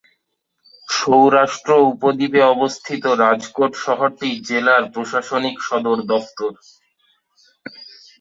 সৌরাষ্ট্র উপদ্বীপে অবস্থিত, রাজকোট শহরটি, জেলার প্রশাসনিক সদর দফতর।